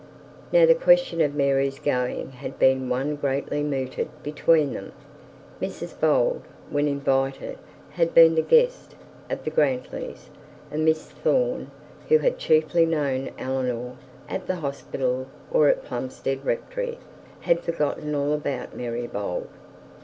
Now the question of Mary's going had been one greatly mooted between them. Mrs Bold, when invited, had been the guest of the Grantlys, and Miss Thorne, who had chiefly known Eleanor at the hospital or at Plumstead rectory, had forgotten all about Mary Bold.